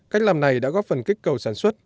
cách làm này đã góp phần kích cầu sản xuất